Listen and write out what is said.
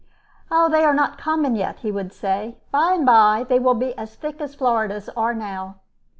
"They are not common yet," he would say. "By and by they will be as thick as Floridas are now."